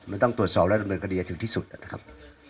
มันต้องตรวจสอบและดำเนินคดีให้ถึงที่สุดนะครับ